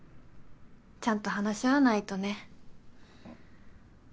ちゃんと話し合わないとね。